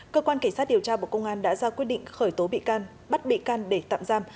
cơ quan cảnh sát điều tra bộ công an đã ra quyết định khởi tố bị can bắt bị can để tạm giam